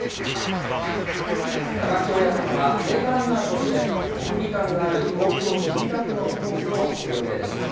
間垣親方は、聖火ランナーとして、国技館がある東京・墨田区のコースを走る予定でした。